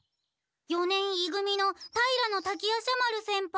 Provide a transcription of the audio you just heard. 四年い組の平滝夜叉丸先輩は。